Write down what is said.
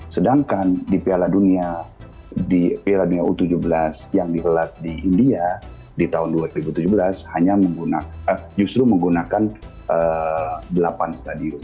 sedangkan di piala dunia u tujuh belas yang digelar di india di tahun dua ribu tujuh belas hanya justru menggunakan delapan stadion